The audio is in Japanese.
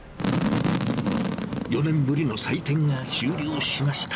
４年ぶりの祭典が終了しました。